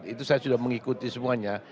itu saya sudah mengikuti semuanya